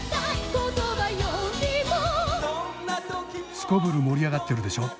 すこぶる盛り上がってるでしょう？